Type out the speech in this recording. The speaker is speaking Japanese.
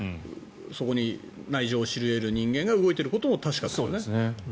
そこに内情を知り得る人間が動いていることも確かですよね。